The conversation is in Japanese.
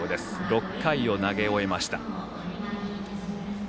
６回を投げ終えました。